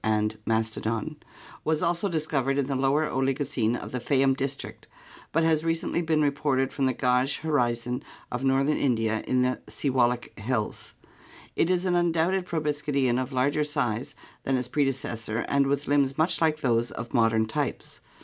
^^ ji^^^ fc ^ Lower Oligocene of the Fayton district, but has recently been reported from the Gaj horizon of northern India in the Siwalik hills. It is an undoubted proboscidean of larger size than its predecessor and with limbs much like those of modern types.